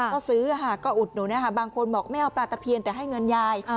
ก็ซื้อค่ะก็อุดหนุนนะคะบางคนบอกไม่เอาปลาตะเพียนแต่ให้เงินยาย